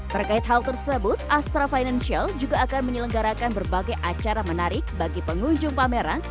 terkait hal tersebut astra financial juga akan menyelenggarakan berbagai acara menarik bagi pengunjung pameran